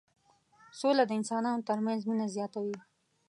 سوله د انسانانو ترمنځ مينه زياتوي.